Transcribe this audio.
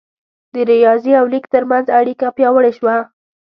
د ریاضي او لیک ترمنځ اړیکه پیاوړې شوه.